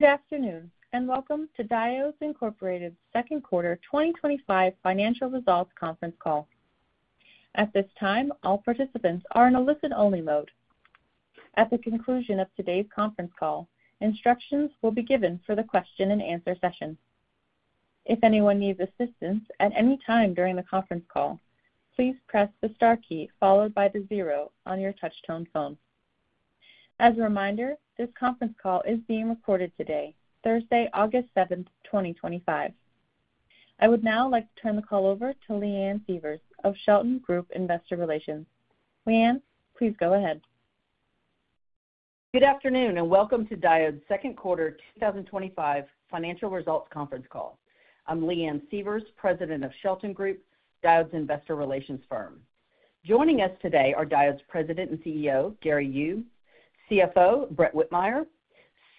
Good afternoon and Welcome to Diodes Incorporated's Second Quarter 2025 Financial Results Conference Call. At this time, all participants are in a listen-only mode. At the conclusion of today's conference call, instructions will be given for the question and answer session. If anyone needs assistance at any time during the conference call, please press the star key followed by the zero on your touch-tone phone. As a reminder, this conference call is being recorded today, Thursday, August 7th, 2025. I would now like to turn the call over to Leanne Sievers of Shelton Group Investor Relations. Leanne, please go ahead. Good afternoon and Welcome to Diodes Incorporated's Second quarter 2025 Financial Result Conference Call. I'm Leanne Sievers, President of Shelton Group, Diodes Incorporated's Investor Relations firm. Joining us today are Diodes Incorporated's President and CEO, Gary Yu, CFO, Brett Whitmire,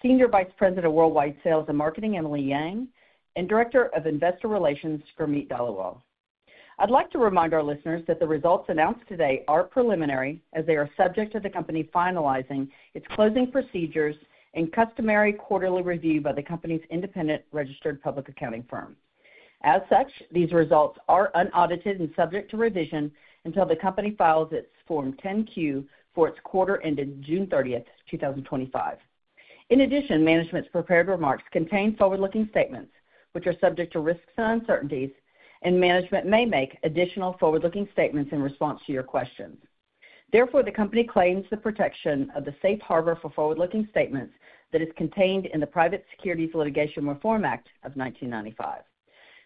Senior Vice President of Worldwide Sales and Marketing, Emily Yang, and Director of Investor Relations, Gurmeet Dhaliwal. I'd like to remind our listeners that the results announced today are preliminary as they are subject to the company finalizing its closing procedures and customary quarterly review by the company's independent registered public accounting firm. As such, these results are unaudited and subject to revision until the company files its Form 10-Q for its quarter ending June 30th, 2025. In addition, management's prepared remarks contain forward-looking statements, which are subject to risks and uncertainties, and management may make additional forward-looking statements in response to your questions. Therefore, the company claims the protection of the safe harbor for forward-looking statements that is contained in the Private Securities Litigation Reform Act of 1995.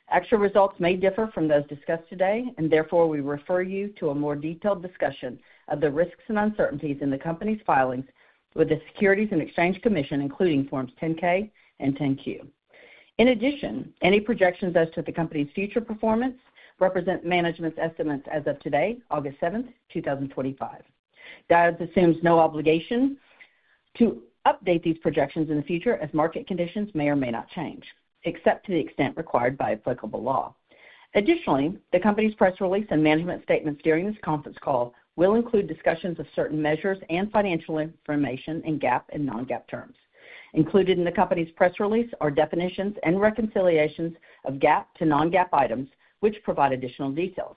Actual results may differ from those discussed today, and therefore we refer you to a more detailed discussion of the risks and uncertainties in the company's filings with the Securities and Exchange Commission, including Forms 10-K and 10-Q. In addition, any projections as to the company's future performance represent management's estimates as of today, August 7, 2025. Diodes Incorporated assumes no obligation to update these projections in the future as market conditions may or may not change, except to the extent required by applicable law. Additionally, the company's press release and management statements during this conference call will include discussions of certain measures and financial information in GAAP and non-GAAP terms. Included in the company's press release are definitions and reconciliations of GAAP to non-GAAP items, which provide additional details.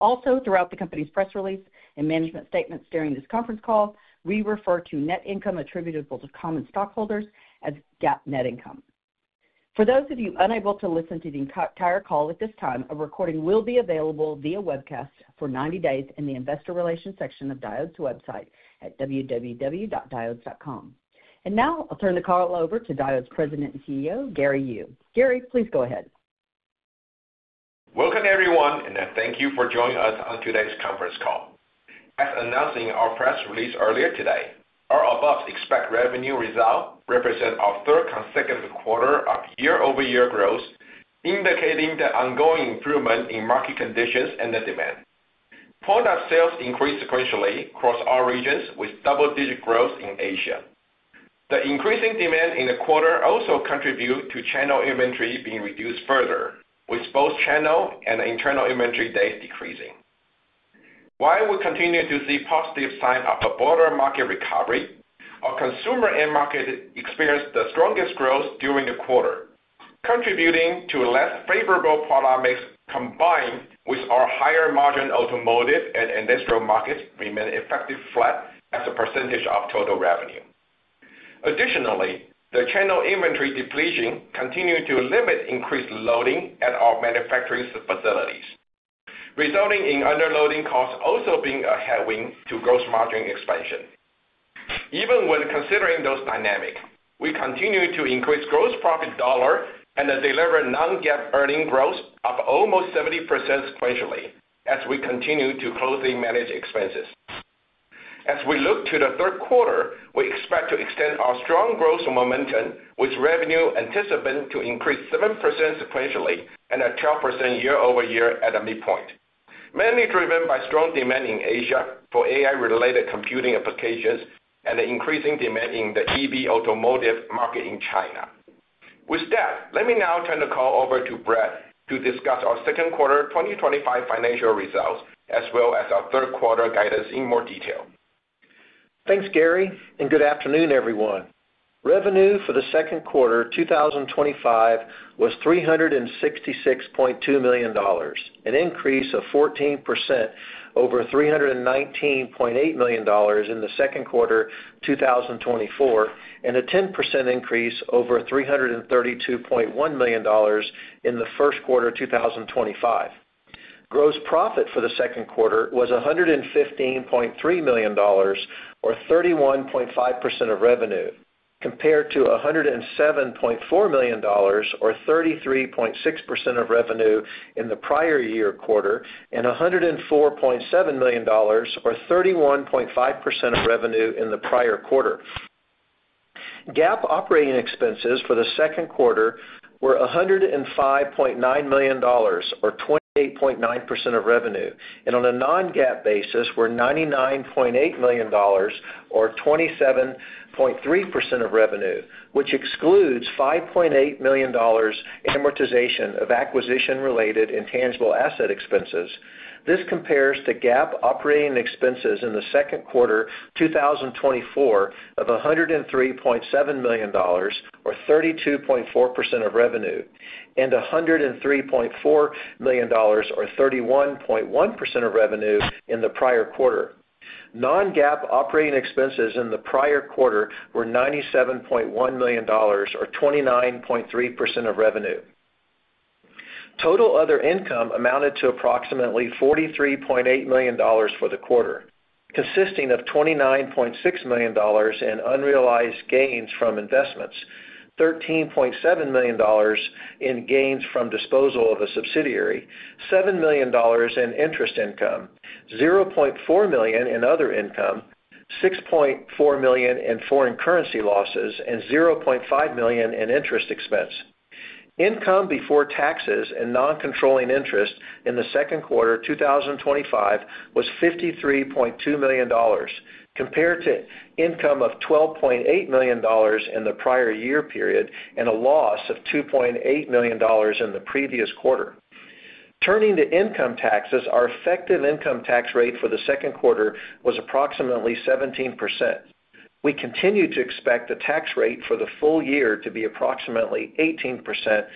Also, throughout the company's press release and management statements during this conference call, we refer to net income attributable to common stockholders as GAAP net income. For those of you unable to listen to the entire call at this time, a recording will be available via webcast for 90 days in the Investor Relations section of Diodes Incorporated's website at www.diodes.com. Now I'll turn the call over to Diodes Incorporated's President and CEO, Gary Yu. Gary, please go ahead. Welcome everyone, and thank you for joining us on today's conference call. As announced in our press release earlier today, our above-expected revenue result represents our third consecutive quarter of year-over-year growth, indicating the ongoing improvement in market conditions and the demand. Product sales increased sequentially across all regions, with double-digit growth in Asia. The increasing demand in the quarter also contributed to channel inventory being reduced further, with both channel and internal inventory days decreasing. While we continue to see positive signs of a broader market recovery, our consumer end market experienced the strongest growth during the quarter, contributing to less favorable economics, combined with our higher margin in automotive and industrial markets remaining effectively flat as a percentage of total revenue. Additionally, the channel inventory depletion continued to limit increased loading at our manufacturing facilities, resulting in underloading costs also being a headwind to gross margin expansion. Even when considering those dynamics, we continue to increase gross profit dollar and deliver non-GAAP earnings growth of almost 70% sequentially as we continue to closely manage expenses. As we look to the third quarter, we expect to extend our strong growth momentum with revenue anticipated to increase 7% sequentially and 12% year-over-year at the midpoint, mainly driven by strong demand in Asia for AI-related computing applications and the increasing demand in the EV automotive market in China. With that, let me now turn the call over to Brett to discuss our second quarter 2025 financial results as well as our third quarter guidance in more detail. Thanks, Gary, and good afternoon everyone. Revenue for the second quarter 2025 was $366.2 million, an increase of 14% over $319.8 million in the second quarter 2024, and a 10% increase over $332.1 million in the first quarter 2025. Gross profit for the second quarter was $115.3 million, or 31.5% of revenue, compared to $107.4 million, or 33.6% of revenue in the prior year quarter, and $104.7 million, or 31.5% of revenue in the prior quarter. GAAP operating expenses for the second quarter were $105.9 million, or 28.9% of revenue, and on a non-GAAP basis were $99.8 million, or 27.3% of revenue, which excludes $5.8 million amortization of acquisition-related intangible asset expenses. This compares to GAAP operating expenses in the second quarter 2024 of $103.7 million, or 32.4% of revenue, and $103.4 million, or 31.1% of revenue in the prior quarter. Non-GAAP operating expenses in the prior quarter were $97.1 million, or 29.3% of revenue. Total other income amounted to approximately $43.8 million for the quarter, consisting of $29.6 million in unrealized gains from investments, $13.7 million in gains from disposal of a subsidiary, $7 million in interest income, $0.4 million in other income, $6.4 million in foreign currency losses, and $0.5 million in interest expense. Income before taxes and non-controlling interest in the second quarter 2025 was $53.2 million, compared to income of $12.8 million in the prior year period and a loss of $2.8 million in the previous quarter. Turning to income taxes, our effective income tax rate for the second quarter was approximately 17%. We continue to expect the tax rate for the full year to be approximately 18%±3%.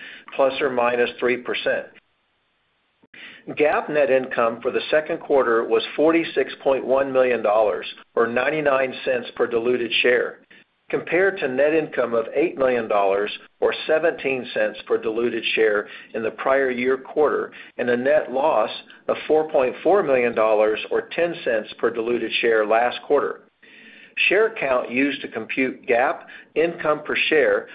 GAAP net income for the second quarter was $46.1 million, or $0.99 per diluted share, compared to net income of $8 million, or $0.17 per diluted share in the prior year quarter, and a net loss of $4.4 million, or $0.10 per diluted share last quarter. Share count used to compute GAAP income per share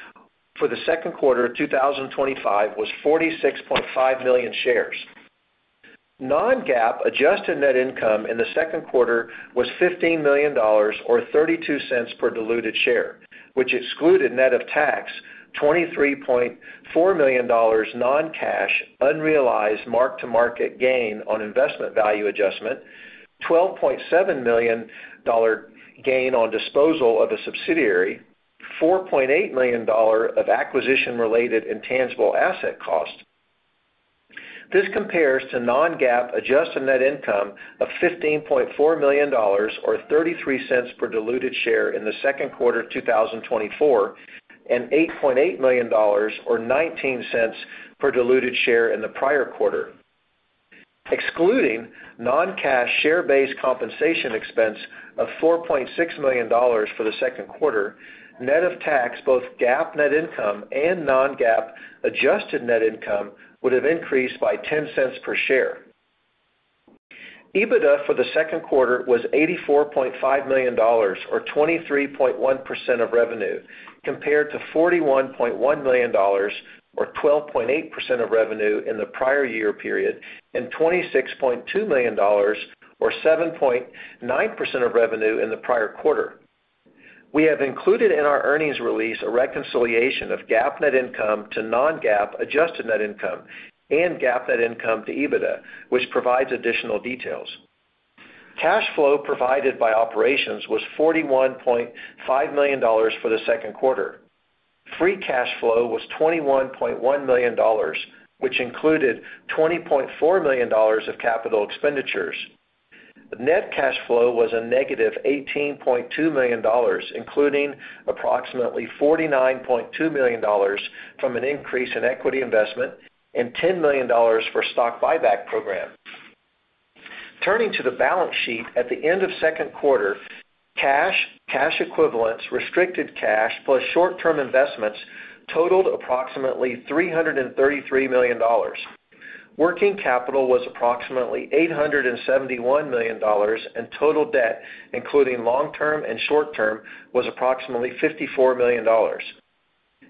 for the second quarter of 2025 was $46.5 million shares. Non-GAAP adjusted net income in the second quarter was $15 million, or $0.32 per diluted share, which excluded, net of tax, $23.4 million non-cash unrealized mark-to-market gain on investment value adjustment, $12.7 million gain on disposal of a subsidiary, and $4.8 million of acquisition-related intangible asset cost. This compares to non-GAAP adjusted net income of $15.4 million, or $0.33 per diluted share in the second quarter 2024, and $8.8 million, or $0.19 per diluted share in the prior quarter. Excluding non-cash share-based compensation expense of $4.6 million for the second quarter, net of tax, both GAAP net income and non-GAAP adjusted net income would have increased by $0.10 per share. EBITDA for the second quarter was $84.5 million, or 23.1% of revenue, compared to $41.1 million, or 12.8% of revenue in the prior year period, and $26.2 million, or 7.9% of revenue in the prior quarter. We have included in our earnings release a reconciliation of GAAP net income to non-GAAP adjusted net income and GAAP net income to EBITDA, which provides additional details. Cash flow provided by operations was $41.5 million for the second quarter. Free cash flow was $21.1 million, which included $20.4 million of capital expenditures. Net cash flow was a -$18.2 million, including approximately $49.2 million from an increase in equity investment and $10 million for a stock buyback program. Turning to the balance sheet at the end of the second quarter, cash, cash equivalents, restricted cash, plus short-term investments totaled approximately $333 million. Working capital was approximately $871 million, and total debt, including long-term and short-term, was approximately $54 million.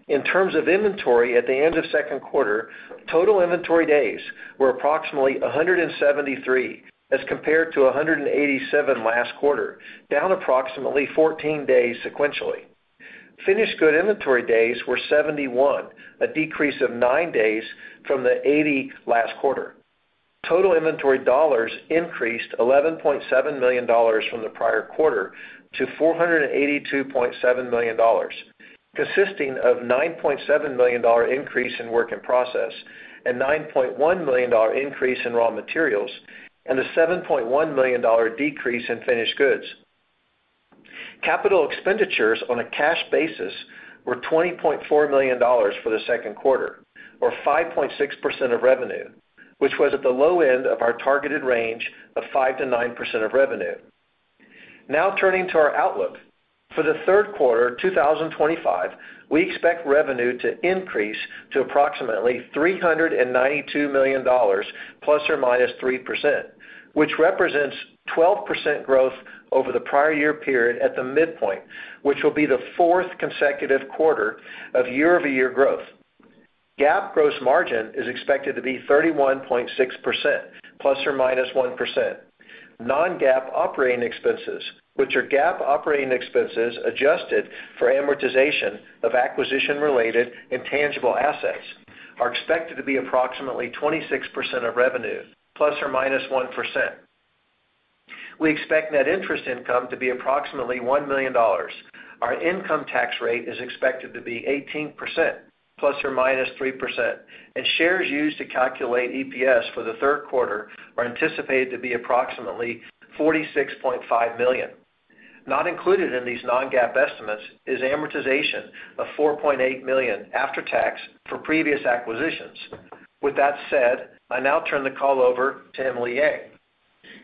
In terms of inventory at the end of the second quarter, total inventory days were approximately 173 as compared to 187 last quarter, down approximately 14 days sequentially. Finished good inventory days were 71, a decrease of 9 days from the 80 last quarter. Total inventory dollars increased $11.7 million from the prior quarter to $482.7 million, consisting of a $9.7 million increase in work in process, a $9.1 million increase in raw materials, and a $7.1 million decrease in finished goods. Capital expenditures on a cash basis were $20.4 million for the second quarter, or 5.6% of revenue, which was at the low end of our targeted range of 5%-9% of revenue. Now turning to our outlook for the third quarter 2025, we expect revenue to increase to approximately $392 million±3%, which represents 12% growth over the prior year period at the midpoint, which will be the fourth consecutive quarter of year-over-year growth. GAAP gross margin is expected to be 31.6%±1%. Non-GAAP operating expenses, which are GAAP operating expenses adjusted for amortization of acquisition-related intangible assets, are expected to be approximately 26% of revenue, ±1%. We expect net interest income to be approximately $1 million. Our income tax rate is expected to be 18%, ±3%, and shares used to calculate EPS for the third quarter are anticipated to be approximately 46.5 million. Not included in these non-GAAP estimates is amortization of $4.8 million after tax for previous acquisitions. With that said, I now turn the call over to Emily Yang.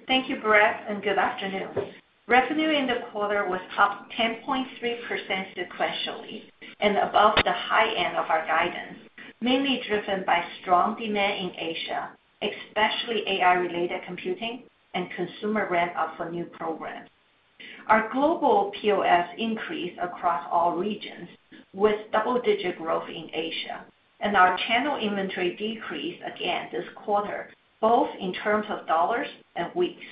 Thank you, Brett, and good afternoon. Revenue in the quarter was up 10.3% sequentially and above the high end of our guidance, mainly driven by strong demand in Asia, especially AI-related computing and consumer ramp-up for new programs. Our global POS increased across all regions, with double-digit growth in Asia, and our channel inventory decreased again this quarter, both in terms of dollars and weeks.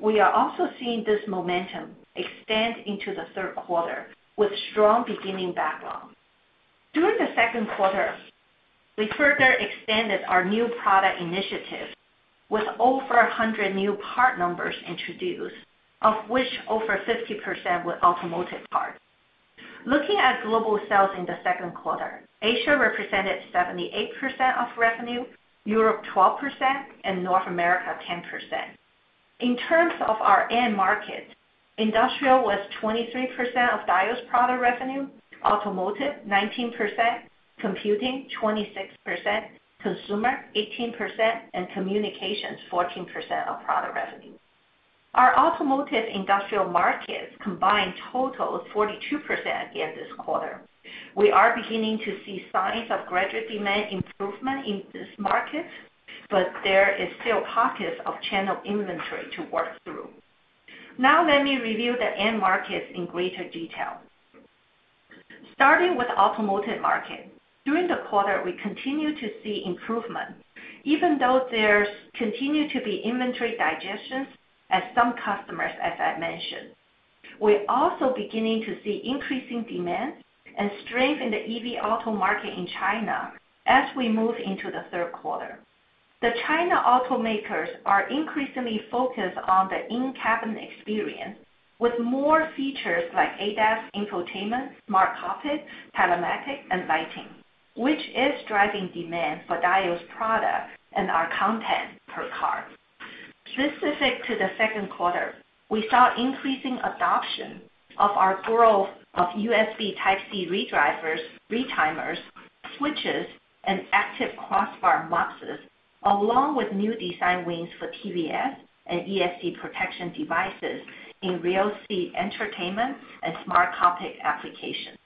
We are also seeing this momentum extend into the third quarter with strong beginning background. During the second quarter, we further extended our new product initiative with over 100 new part numbers introduced, of which over 50% were automotive parts. Looking at global sales in the second quarter, Asia represented 78% of revenue, Europe 12%, and North America 10%. In terms of our end market, industrial was 23% of Diodes' product revenue, automotive 19%, computing 26%, consumer 18%, and communications 14% of product revenue. Our automotive industrial markets combined totaled 42% again this quarter. We are beginning to see signs of gradual demand improvement in these markets, but there are still pockets of channel inventory to work through. Now let me review the end markets in greater detail. Starting with the automotive market, during the quarter, we continue to see improvement, even though there continues to be inventory digestion as some customers have mentioned. We're also beginning to see increasing demand and strength in the EV auto market in China as we move into the third quarter. The China automakers are increasingly focused on the in-cabin experience with more features like ADAS, infotainment, smart cockpit, telematics, and lighting, which is driving demand for Diodes' products and our content per car. Specific to the second quarter, we saw increasing adoption and growth of USB Type-C redrivers, retimers, switches, and active crossbar boxes, along with new design wins for TVS and ESD protection devices in rear seat entertainment and smart cockpit applications.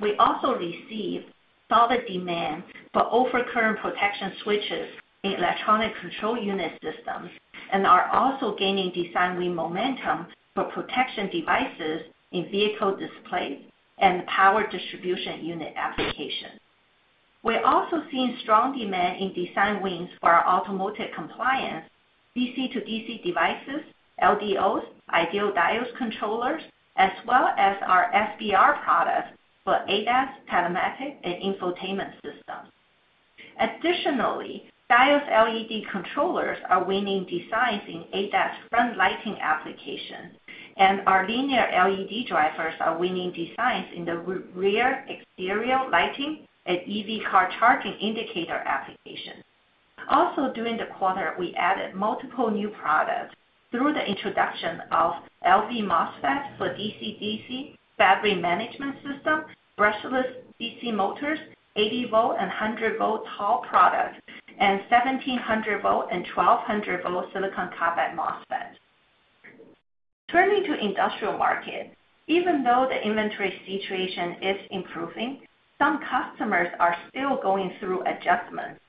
We also received solid demand for overcurrent protection switches in electronic control unit systems and are also gaining design win momentum for protection devices in vehicle displays and power distribution unit applications. We're also seeing strong demand and design wins for our automotive-compliant DC-DC devices, LDOs, ideal diode controllers, as well as our SBR products for ADAS, telematics, and infotainment systems. Additionally, Diodes LED controllers are winning designs in ADAS front lighting applications, and our linear LED drivers are winning designs in the rear exterior lighting and EV car charging indicator applications. Also, during the quarter, we added multiple new products through the introduction of LV MOSFETs for DC-DC battery management systems, brushless DC motors, 80 volt and 100 volt TO-LL products, and 1,700 volt and 1,200 volt silicon carbide MOSFETs. Turning to the industrial market, even though the inventory situation is improving, some customers are still going through adjustments.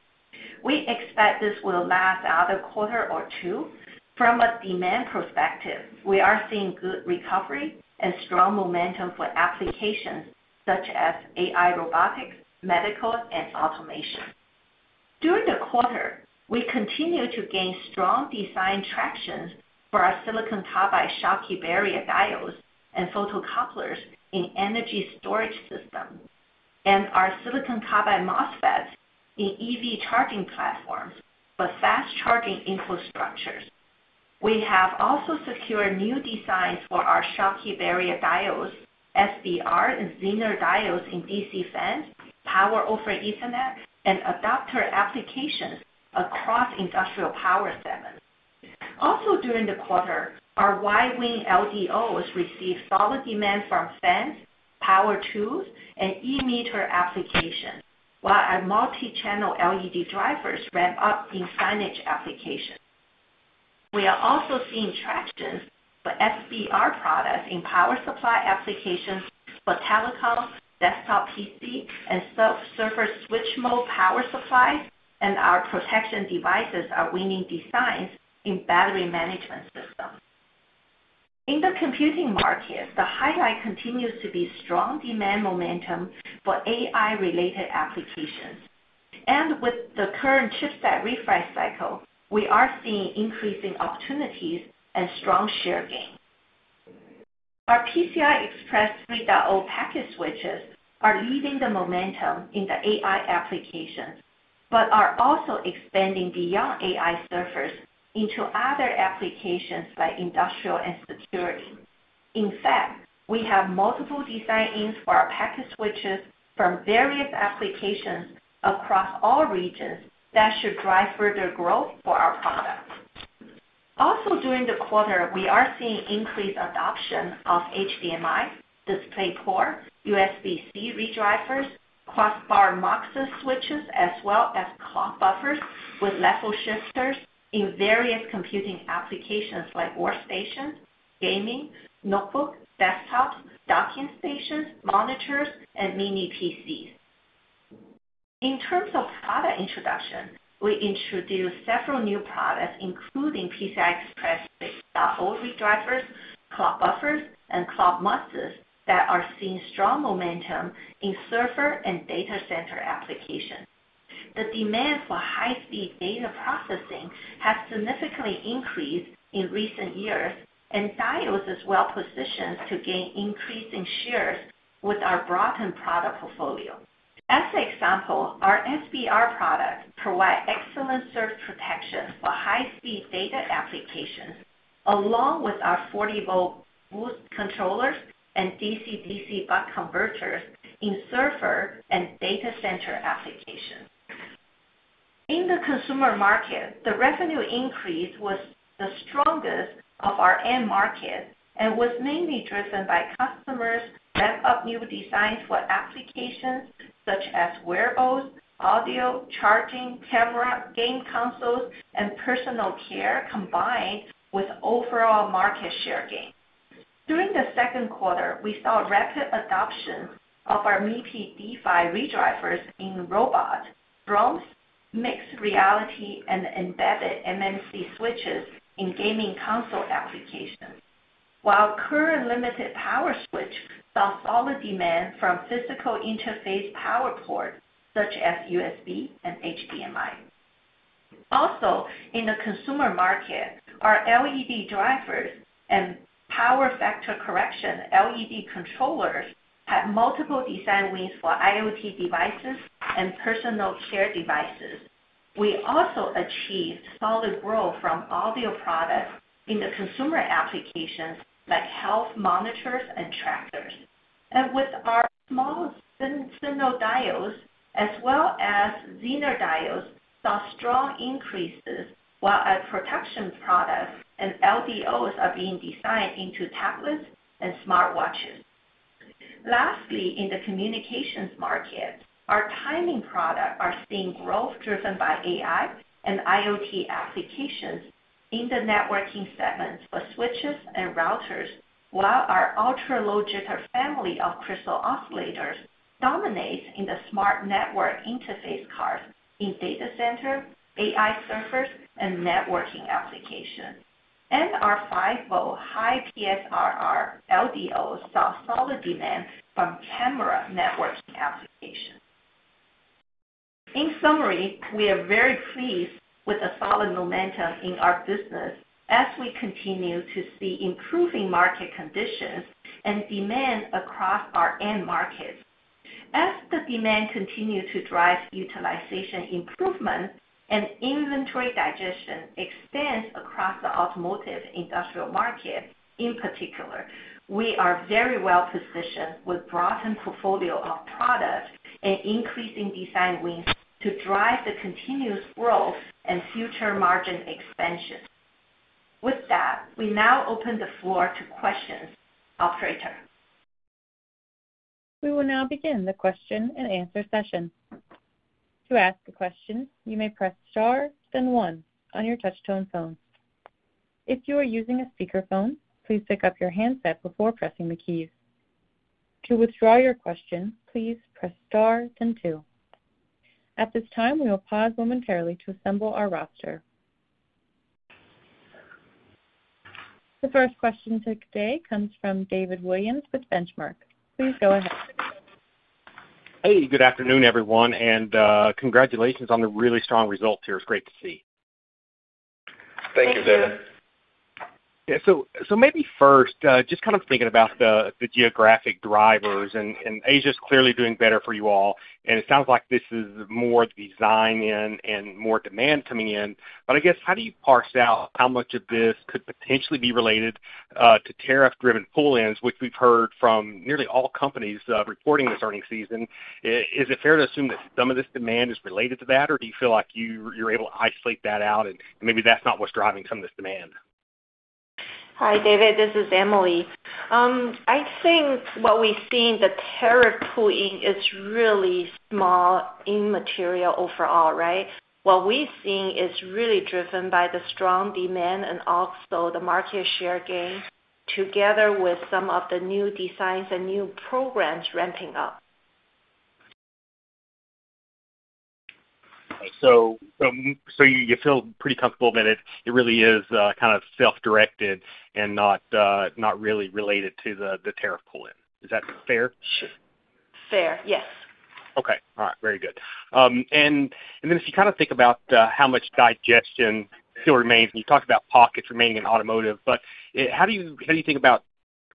We expect this will last another quarter or two. From a demand perspective, we are seeing good recovery and strong momentum for applications such as AI, robotics, medical, and automation. During the quarter, we continued to gain strong design traction for our silicon carbide Schottky barrier diodes and photocouplers in energy storage systems and our silicon carbide MOSFETs in EV charging platforms for fast charging infrastructures. We have also secured new designs for our Schottky barrier diodes, SBR, and Zener diodes in DC fans, power over Ethernet, and adapter applications across industrial power segments. Also, during the quarter, our Y-Wing LDOs received solid demand from fans, power tools, and e-meter applications, while our multi-channel LED drivers ramped up in signage applications. We are also seeing traction for SBR products in power supply applications for telecom, desktop PC, and server switch mode power supplies, and our protection devices are winning designs in battery management systems. In the computing market, the highlight continues to be strong demand momentum for AI-related applications, and with the current chipset refresh cycle, we are seeing increasing opportunities and strong share gains. Our PCI Express 3.0 packet switches are leading the momentum in the AI applications but are also expanding beyond AI servers into other applications like industrial and security. In fact, we have multiple design wins for our packet switches from various applications across all regions that should drive further growth for our products. Also, during the quarter, we are seeing increased adoption of HDMI, DisplayPort, USB speed redrivers, crossbar MUX switches, as well as clock buffers with level shifters in various computing applications like workstations, gaming, notebooks, desktops, docking stations, monitors, and mini PCs. In terms of product introduction, we introduced several new products, including PCI Express 6.0 redrivers, clock buffers, and clock MOSFETs that are seeing strong momentum in server and data center applications. The demand for high-speed data processing has significantly increased in recent years, and Diodes Incorporated is well-positioned to gain increasing shares with our broadened product portfolio. As an example, our SDR products provide excellent surge protection for high-speed data applications, along with our 40 volt boost controllers and DC-DC buck converters in server and data center applications. In the consumer market, the revenue increase was the strongest of our end market and was mainly driven by customers' ramp-up of new designs for applications such as wearables, audio, charging, camera, game consoles, and personal care, combined with overall market share gain. During the second quarter, we saw rapid adoption of our MIPI D-PHY redrivers in robots, ROMs, mixed reality, and embedded eMMC switches in gaming console applications, while current-limited power switches saw solid demand from physical interface power ports such as USB and HDMI. Also, in the consumer market, our LED drivers and power factor correction LED controllers had multiple design wins for IoT devices and personal care devices. We also achieved solid growth from audio products in the consumer applications like health monitors and trackers. With our small signal diodes, as well as Zener diodes, we saw strong increases, while our protection devices and LDOs are being designed into tablets and smartwatches. Lastly, in the communications market, our timing solutions are seeing growth driven by AI and IoT applications in the networking segments for switches and routers, while our ultra-low jitter family of crystal oscillators dominates in the smart network interface cards in data center, AI server, and networking applications. Our 5 volt high PSRR LDOs saw solid demand from camera networking applications. In summary, we are very pleased with the solid momentum in our business as we continue to see improving market conditions and demand across our end markets. As the demand continues to drive utilization improvement and inventory digestion expands across the automotive and industrial market in particular, we are very well-positioned with a broadened portfolio of products and increasing design wins to drive the continuous growth and future margin expansion. With that, we now open the floor to questions for the operator. We will now begin the question and answer session. To ask a question, you may press star, then one on your touch-tone phone. If you are using a speakerphone, please pick up your handset before pressing the keys. To withdraw your question, please press star, then two. At this time, we will pause momentarily to assemble our roster. The first question today comes from David Williams with The Benchmark Company. Please go ahead. Hey, good afternoon everyone, and congratulations on the really strong results here. It's great to see. Thank you. Thank you, David. Maybe first, just kind of thinking about the geographic drivers, and Asia is clearly doing better for you all, and it sounds like this is more design and more demand coming in. I guess how do you parse out how much of this could potentially be related to tariff-driven pull-ins, which we've heard from nearly all companies reporting this earning season? Is it fair to assume that some of this demand is related to that, or do you feel like you're able to isolate that out and maybe that's not what's driving some of this demand? Hi, David. This is Emily. I think what we've seen, the tariff pulling is really small, immaterial overall, right? What we're seeing is really driven by the strong demand and also the market share gain, together with some of the new designs and new programs ramping up. Okay, so you feel pretty comfortable that it really is kind of self-directed and not really related to the tariff pull-in? Is that fair? Sure. Fair, yes. Okay, all right, very good. If you kind of think about how much digestion still remains, and you talked about pockets remaining in automotive, how do you think about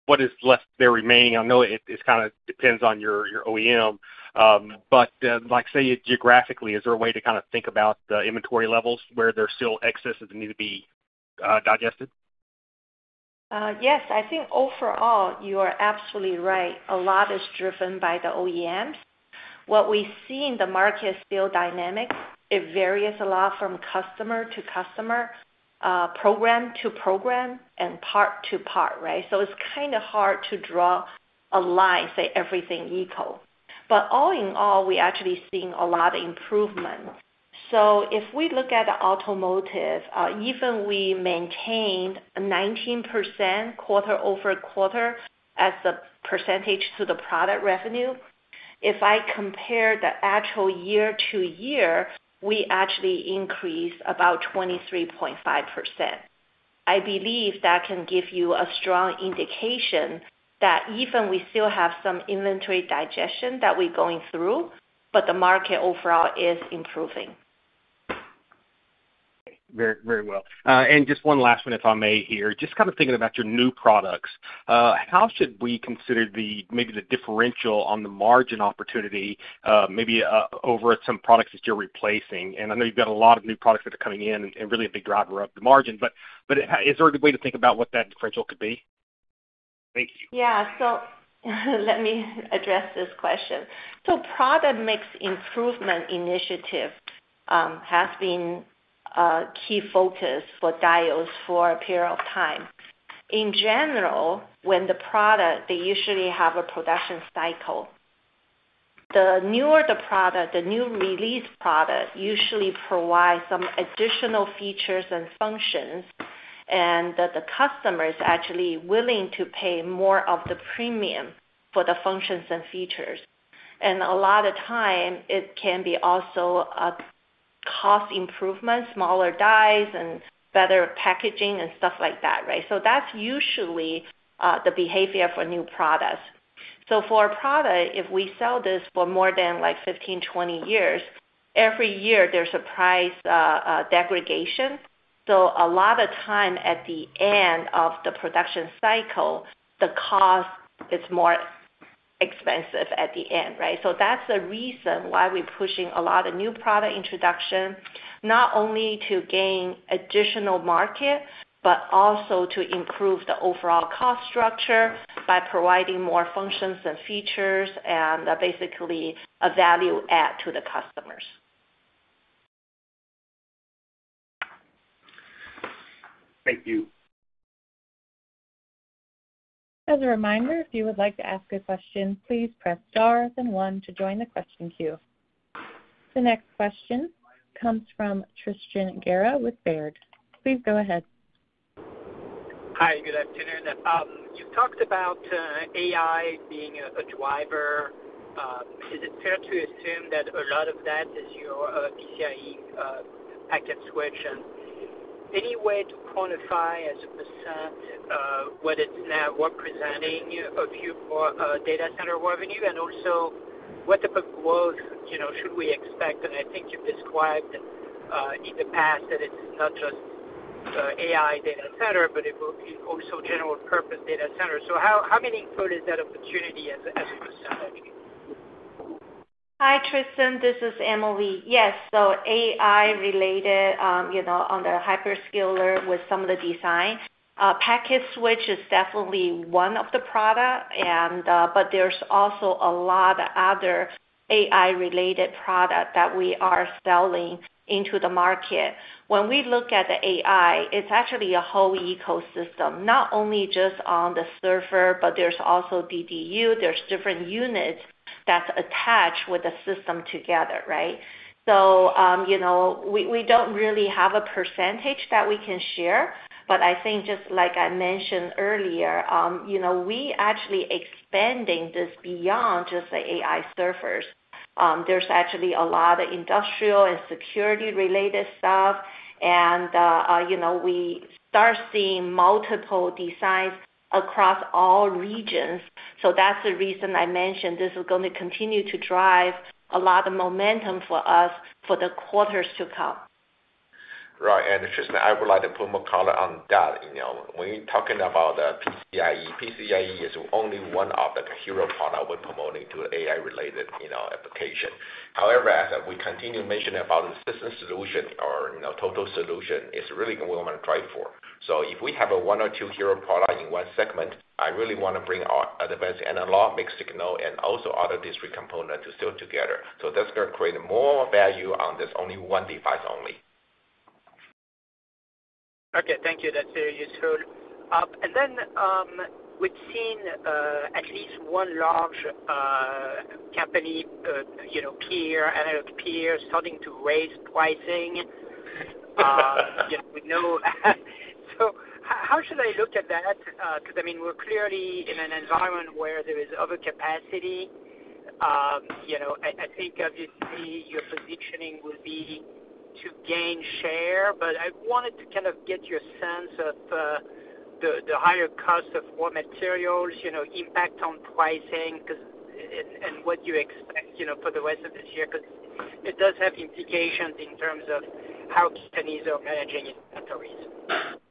what is left there remaining? I know it kind of depends on your OEM, but like say geographically, is there a way to kind of think about the inventory levels where there's still excesses that need to be digested? Yes, I think overall you are absolutely right. A lot is driven by the OEMs. What we see in the market's build dynamic varies a lot from customer to customer, program to program, and part to part, right? It's kind of hard to draw a line, say everything equal. All in all, we're actually seeing a lot of improvement. If we look at the automotive, even we maintained 19% quarter-over-quarter as a percentage to the product revenue. If I compare the actual year to year, we actually increased about 23.5%. I believe that can give you a strong indication that even though we still have some inventory digestion that we're going through, the market overall is improving. Very well. Just one last one, if I may here, just kind of thinking about your new products. How should we consider maybe the differential on the margin opportunity, maybe over some products that you're replacing? I know you've got a lot of new products that are coming in and really a big driver of the margin, but is there a good way to think about what that differential could be? Yeah, let me address this question. Product mix improvement initiative has been a key focus for Diodes for a period of time. In general, when the product, they usually have a production cycle. The newer the product, the new release product usually provides some additional features and functions, and the customer is actually willing to pay more of the premium for the functions and features. A lot of times, it can be also a cost improvement, smaller dies, and better packaging, and stuff like that, right? That's usually the behavior for new products. For a product, if we sell this for more than like 15, 20 years, every year there's a price degradation. A lot of times at the end of the production cycle, the cost is more expensive at the end, right? That's the reason why we're pushing a lot of new product introduction, not only to gain additional market, but also to improve the overall cost structure by providing more functions and features and basically a value add to the customers. Thank you. As a reminder, if you would like to ask a question, please press star then one to join the question queue. The next question comes from Tristan Gerra with Baird. Please go ahead. Hi, good afternoon. You talked about AI being a driver. Is it fair to assume that a lot of that is your PCI Express packet solution? Any way to quantify as a percent what it's now representing of your data center revenue, and also what type of growth should we expect? I think you've described in the past that it's not just AI data center, but it will be also general purpose data center. How can you include that opportunity as a percent? Hi, Tristan. This is Emily. Yes, so AI related, you know, on the hyperscaler with some of the design. Packet switch is definitely one of the products, but there's also a lot of other AI related products that we are selling into the market. When we look at the AI, it's actually a whole ecosystem, not only just on the server, but there's also DDU. There's different units that's attached with the system together, right? We don't really have a percentage that we can share, but I think just like I mentioned earlier, we actually expand this beyond just the AI servers. There's actually a lot of industrial and security related stuff, and we start seeing multiple designs across all regions. That's the reason I mentioned this is going to continue to drive a lot of momentum for us for the quarters to come. Right, and Tristan, I would like to put more color on that. You know, when you're talking about PCI Express, PCI Express is only one of the hero products we're promoting to AI related applications. However, as we continue mentioning about the system solution or total solution, it's really what we want to drive for. If we have one or two hero products in one segment, I really want to bring our advanced analog mixed signal and also auto discrete components to seal together. That's going to create more value on this only one device only. Okay, thank you. That's very useful. We've seen at least one large company, you know, clear analogue tier starting to raise pricing. How should I look at that? I mean, we're clearly in an environment where there is overcapacity. I think obviously your positioning will be to gain share, but I wanted to kind of get your sense of the higher cost of raw materials, you know, impact on pricing, and what you expect, you know, for the rest of this year. It does have implications in terms of how companies are managing inventories.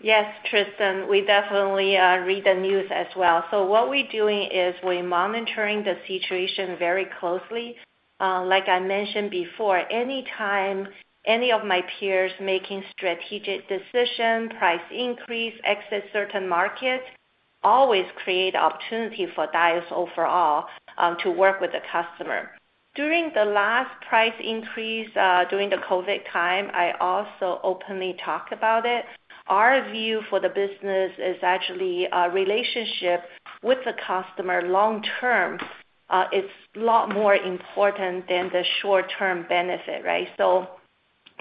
Yes, Tristan, we definitely read the news as well. We are monitoring the situation very closely. Like I mentioned before, anytime any of my peers make strategic decisions, price increases, exit certain markets, it always creates opportunity for Diodes overall to work with the customer. During the last price increase during the COVID time, I also openly talked about it. Our view for the business is actually a relationship with the customer long term. It's a lot more important than the short term benefit, right?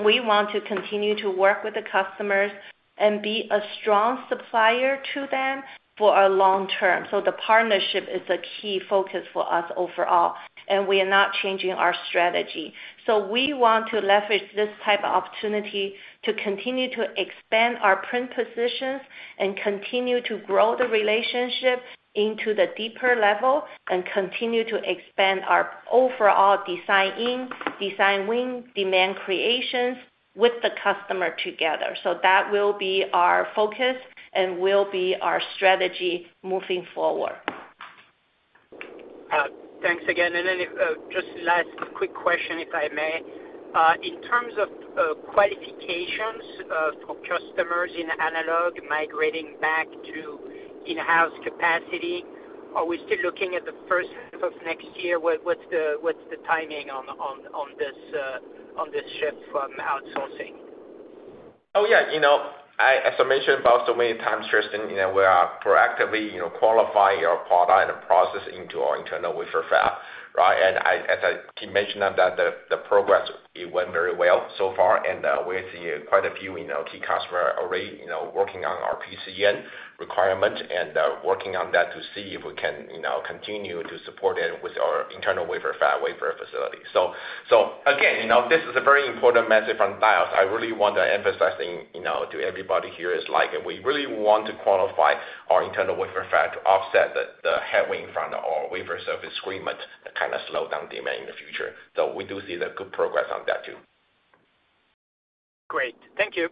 We want to continue to work with the customers and be a strong supplier to them for our long term. The partnership is the key focus for us overall, and we are not changing our strategy. We want to leverage this type of opportunity to continue to expand our print positions and continue to grow the relationship into the deeper level and continue to expand our overall design in, design win, demand creations with the customer together. That will be our focus and will be our strategy moving forward. Thanks again. Just last quick question, if I may. In terms of qualifications for customers in analog migrating back to in-house capacity, are we still looking at the first half of next year? What's the timing on this shift from outsourcing? Yeah, as I mentioned so many times, Tristan, we are proactively qualifying our product and process into our internal wafer fab, right? As I mentioned, the progress went very well so far, and we're seeing quite a few key customers already working on our PCM requirements and working on that to see if we can continue to support them with our internal wafer fab wafer facility. This is a very important message from Diodes. I really want to emphasize to everybody here, we really want to qualify our internal wafer fab to offset the headwind from our wafer surface agreement that kind of slowed down demand in the future. We do see good progress on that too. Great, thank you.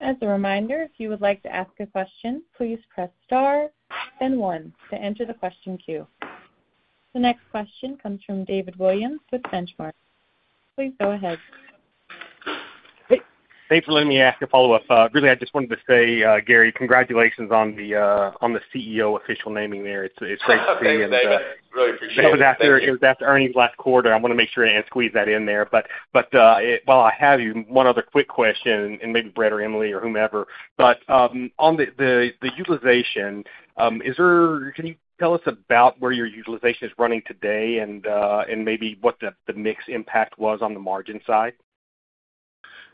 As a reminder, if you would like to ask a question, please press star, then one to enter the question queue. The next question comes from David Williams with The Benchmark. Please go ahead. Thanks for letting me ask a follow-up. Really, I just wanted to say, Gary, congratulations on the CEO official naming there. It's great to see. Thanks, David. It was after earnings last quarter. I want to make sure and squeeze that in there. While I have you, one other quick question, and maybe Brett or Emily or whomever, on the utilization, can you tell us about where your utilization is running today and maybe what the mix impact was on the margin side?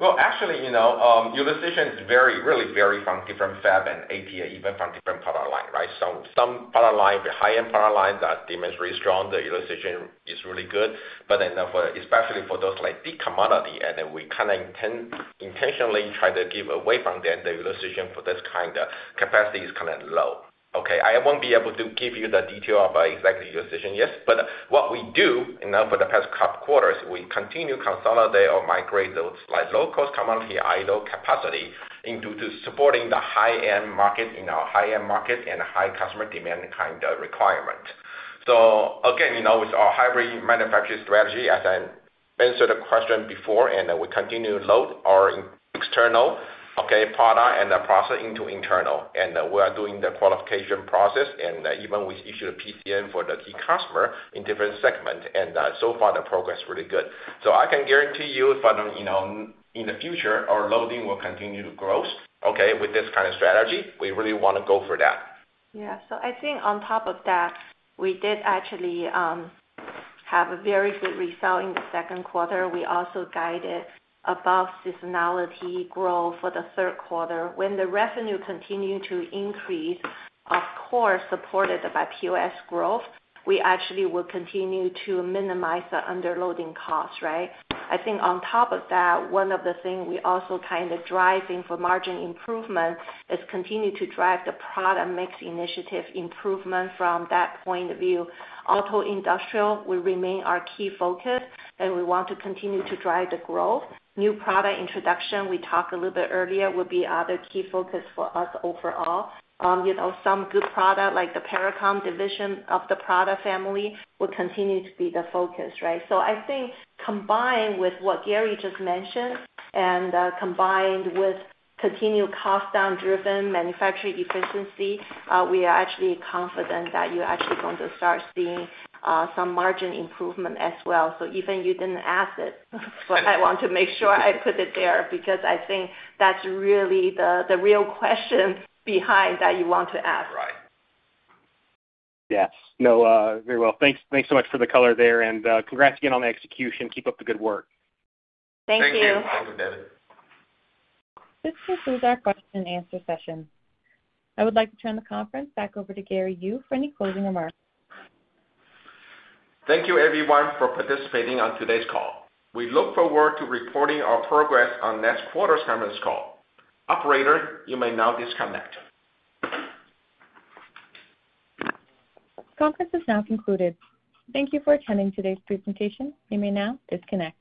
Utilization really varies from different fab and AT, even from different product lines, right? Some product lines, the high-end product lines, the demand is really strong, the utilization is really good. For those big commodity, we kind of intentionally try to give away from them, the utilization for this kind of capacity is kind of low. I won't be able to give you the detail about exactly the utilization yet, but what we do for the past couple of quarters, we continue to consolidate or migrate those low-cost commodity idle capacity into supporting the high-end market and high customer demand kind of requirement. With our hybrid manufacturing strategy, as I answered the question before, we continue to load our external product and the process into internal. We are doing the qualification process, and even we issue the PCM for the key customer in different segments. So far, the progress is really good. I can guarantee you, in the future, our loading will continue to grow. With this kind of strategy, we really want to go for that. Yeah, I think on top of that, we did actually have a very good result in the second quarter. We also guided above seasonality growth for the third quarter. When the revenue continued to increase, of course, supported by POS growth, we actually will continue to minimize the underloading costs, right? I think on top of that, one of the things we also kind of drive for margin improvement is continue to drive the product mix initiative improvement from that point of view. Auto industrial will remain our key focus, and we want to continue to drive the growth. New product introduction, we talked a little bit earlier, will be another key focus for us overall. You know, some good products like the paracom division of the product family will continue to be the focus, right? I think combined with what Gary just mentioned and combined with continued cost-down-driven manufacturing efficiency, we are actually confident that you're actually going to start seeing some margin improvement as well. Even you didn't ask it, but I want to make sure I put it there because I think that's really the real question behind that you want to ask. Right. Yeah, very well. Thanks so much for the color there, and congrats again on the execution. Keep up the good work. Thank you. Thanks, David. This concludes our question and answer session. I would like to turn the conference back over to Gary Yu for any closing remarks. Thank you, everyone, for participating on today's call. We look forward to reporting our progress on next quarter's conference call. Operator, you may now disconnect. Conference is now concluded. Thank you for attending today's presentation. You may now disconnect.